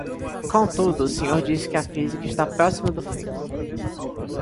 Contudo, o senhor disse que a física está “próxima do fim”